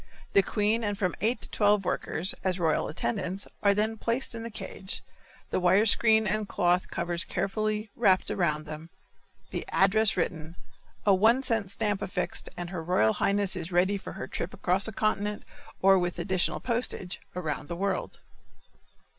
The queen and from eight to twelve workers, as royal attendants, are then placed in the cage, the wire screen and cloth covers carefully wrapped around them, the address written, a one cent stamp affixed and her royal highness is ready for her trip across a continent, or, with additional postage, around the world.